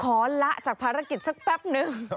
ละจากภารกิจสักแป๊บนึง